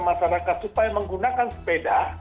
masyarakat supaya menggunakan sepeda